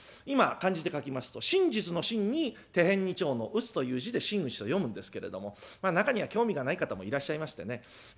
今漢字で書きますと真実の「真」に手へんに「丁」の「打つ」という字で「真打」と読むんですけれども中には興味がない方もいらっしゃいましてね